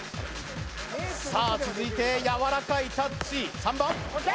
さあ続いてやわらかいタッチ３番・ＯＫ！